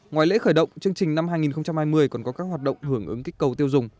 ngoài lễ khởi động chương trình năm hai nghìn hai mươi còn có các hoạt động hưởng ứng kích cầu tiêu dùng